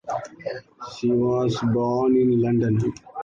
She was born in London.